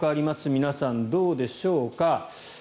皆さん、どうでしょうか。